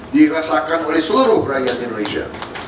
dirasakan oleh seluruh rakyat indonesia